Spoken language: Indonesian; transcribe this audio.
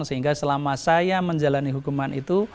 sehingga selama saya menjalani hukuman itu